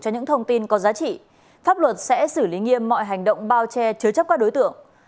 những thông tin có giá trị pháp luật sẽ xử lý nghiêm mọi hành động bao che chứa chấp các đối tượng